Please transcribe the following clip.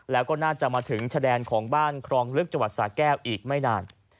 แล้วก็น่าจะมาถึงชะแดนของบ้านครองลึกจังหวัดสาแก้วอีกไม่นาน